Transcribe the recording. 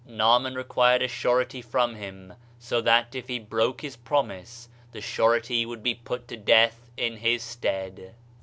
Naaman required a sure^ from him, so that, if he broke his promise, the surety would be put to death in his stead.